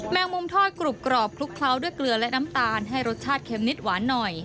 แมงมุมทอดกรุบกรอบคลุกเคล้าด้วยเกลือและน้ำตาลให้รสชาติเค็มนิดหวานหน่อย